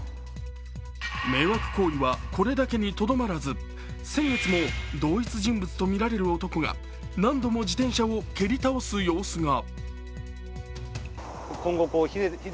迷惑行為はこれだけにとどまらず先月も同一人物とみられる男が何度も自転車を蹴り倒す様子が。